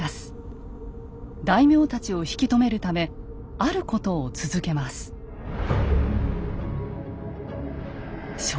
大名たちを引き止めるためあることを続けます。